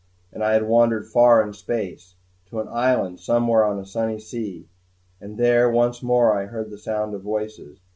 And I had wandered far in space, to an island somewhere on a sunny sea; and there once more I heard the sound of voices.